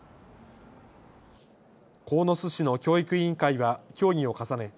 鴻巣市の教育委員会は協議を重ね